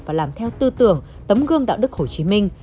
và làm theo tư tưởng tấm gương đạo đức hồ chí minh